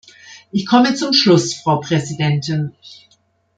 Ich komme zum Schluss, Frau Präsidentin!